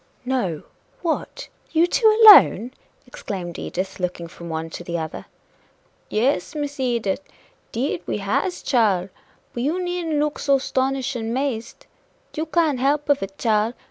"No! what? you two alone!" exclaimed Edith, looking from one to the other. "Yes, Miss Edith, 'deed we has, chile but you needn't look so 'stonish and 'mazed. You can't help of it, chile.